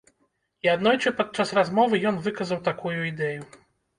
І аднойчы падчас размовы ён выказаў такую ідэю.